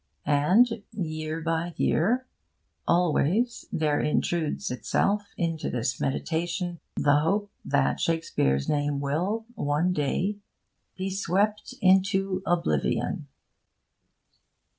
And, year by year, always there intrudes itself into this meditation the hope that Shakespeare's name will, one day, be swept into oblivion.